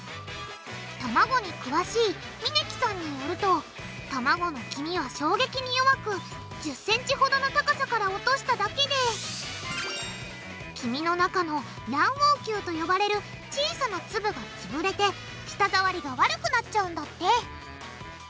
卵に詳しい峯木さんによると卵の黄身は衝撃に弱く１０センチほどの高さから落としただけで黄身の中の卵黄球と呼ばれる小さな粒がつぶれて舌触りが悪くなっちゃうんだって。